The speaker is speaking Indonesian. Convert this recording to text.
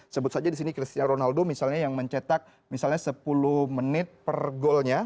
sebut saja di sini cristiano ronaldo misalnya yang mencetak misalnya sepuluh menit per golnya